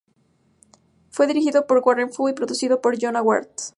Fue dirigido por Warren Fu y producido por Jona Ward.